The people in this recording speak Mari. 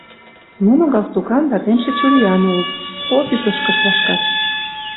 Нуно галстукан да темше чуриян улыт, офисышкышт вашкат.